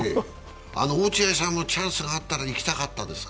落合さんもチャンスがあったら行きたかったですか？